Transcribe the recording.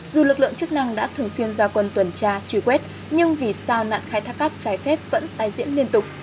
dù lực lượng chức năng đã thường xuyên ra quân tuần tra truy quét nhưng vì sao nạn khai thác cát trái phép vẫn tái diễn liên tục